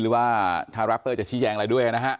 หรือว่าทารัปเปอร์จะชี้แจงอะไรด้วยนะฮะ